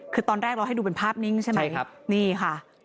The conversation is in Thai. คือตอนแรกเราให้ดูเป็นภาพนิ่งใช่ไหมนี่ค่ะ